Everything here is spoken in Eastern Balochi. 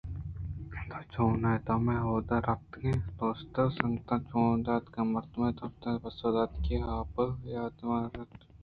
تو چونے ءُ مئے ہُودءِ رپتگیں دوست ءُ سنگت چون اِتنت؟ مرد ءَ پُرتاہیری پسّہ دات آہاں آپ ءِ حیات وارتگ